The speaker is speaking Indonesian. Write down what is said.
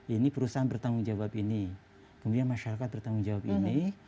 ini perusahaan bertanggung jawab ini kemudian masyarakat bertanggung jawab ini